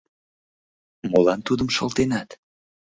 Молан тудым шылтенат?